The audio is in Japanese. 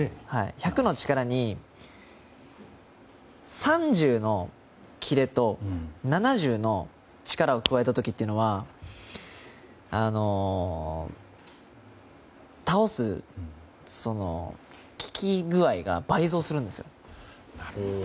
１００の力に、３０のキレと７０の力を加えた時というのは倒す効き具合が倍増するんですよ。